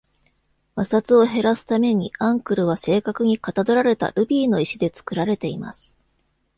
摩擦を減らすために、アンクルは正確にかたどられたルビーの石で作られています。